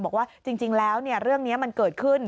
บอกว่าจริงแล้วเรื่องนี้มันเกิดขึ้น